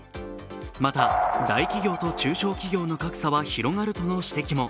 また、大企業と中小企業の格差は広がるとの指摘も。